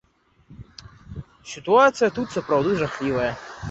Сітуацыя тут сапраўды жахлівая.